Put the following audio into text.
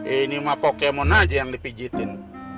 ini mah pokemon aja yang dipijitin